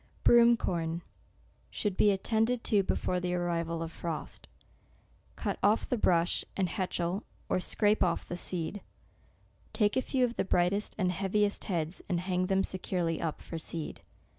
SEPTEMBER. 181 BROOM CORN should be attended to before the arrival of frost. Cut off the brush, and hetchel or scrape off the seed. Take a few of the brightest and heaviest heads, and hang them securely up for seed.